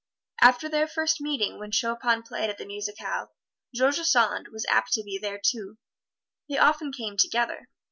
After their first meeting, when Chopin played at a musicale, George Sand was apt to be there too they often came together.